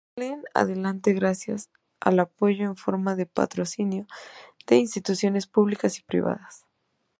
Salen adelante gracias al apoyo en forma de patrocinio de instituciones públicas y privadas.